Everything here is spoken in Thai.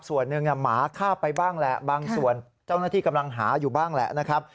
ส่วนหนึ่งหมาฆ่าไปบ้างแหละบางส่วนเจ้าหน้าที่กำลังหาอยู่บ้างแหละนะครับ